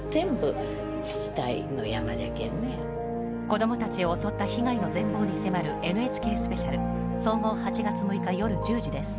子どもたちを襲った被害の全貌に迫る「ＮＨＫスペシャル」総合８月６日、夜１０時です。